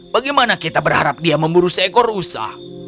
bagaimana kita berharap dia memburu seekor usa